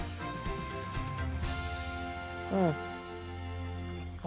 うん。